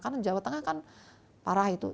karena jawa tengah kan parah itu